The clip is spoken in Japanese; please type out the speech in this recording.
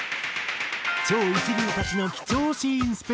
超一流たちの貴重シーンスペシャル。